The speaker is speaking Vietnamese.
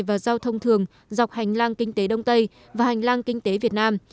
và giao thông thường dọc hành lang kinh tế đông tây và hành lang kinh tế việt nam